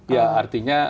ya artinya kami